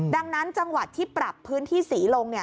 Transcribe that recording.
ดังนั้นจังหวัดที่ปรับพื้นที่สีลง